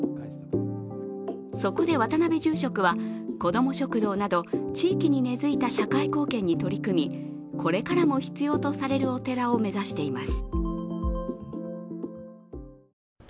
そこで渡辺住職はこども食堂など地域に根づいた社会貢献に取り組みこれからも必要とされるお寺を目指しています